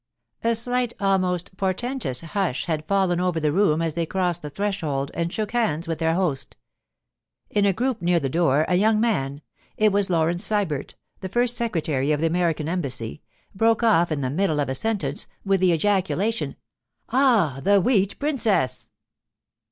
A slight, almost portentous, hush had fallen over the room as they crossed the threshold and shook hands with their host. In a group near the door a young man—it was Laurence Sybert, the first secretary of the American Embassy—broke off in the middle of a sentence with the ejaculation: 'Ah, the Wheat Princess!